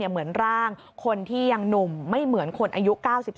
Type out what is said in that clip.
เหมือนร่างคนที่ยังหนุ่มไม่เหมือนคนอายุ๙๒